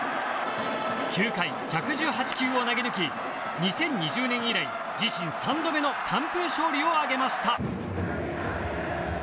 ９回、１１８球を投げ抜き２０２０年以来、自身３度目の完封勝利を挙げました。